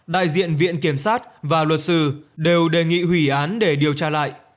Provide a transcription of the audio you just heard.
đại diện viện kiểm sát và luật sư đều đề nghị hủy án để điều tra lại